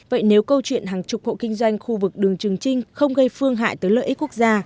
vậy nếu câu chuyện hàng chục hộ kinh doanh khu vực đường trường trinh không gây phương hại tới lợi ích quốc gia